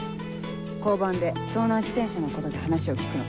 交番で盗難自転車のことで話を聞くの。